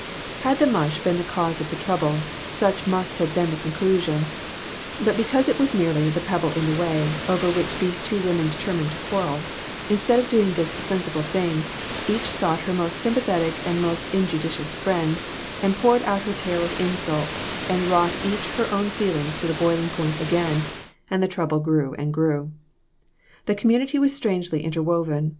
Had the mush been the cause of the trouble, such must have been the conclusion ; but because it was merely the pebble in the way, over which those two women determined to quarrel, instead of doing this sensible thing each sought her most sympathetic and most injudicious friend, and poured out her tale of insult, and wrought each her own feelings to the boiling point again, and the trouble grew and grew. The community was strangely interwoven.